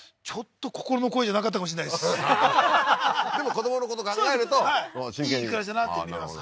子どものこと考えると真剣にいい暮らしだなって見てます